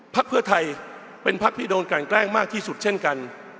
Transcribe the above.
พักเพื่อไทยเป็นพักที่โดนกันแกล้งมากที่สุดเช่นกัน